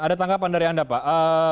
ada tanggapan dari anda pak